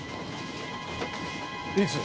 いつ？